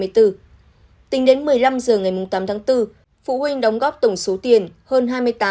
tính đến một mươi năm h ngày tám tháng bốn phụ huynh đóng góp tổng số tiền